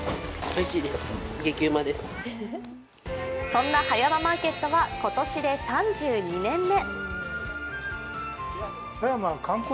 そんな葉山マーケットは今年で３２年目。